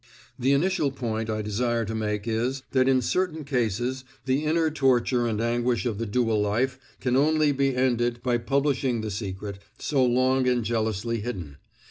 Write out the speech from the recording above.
The initial point I desire to make is, that in certain cases the inner torture and anguish of the dual life can only be ended by publishing the secret, so long and jealously hidden.